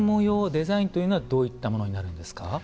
デザインというのはどういったものになるんですか。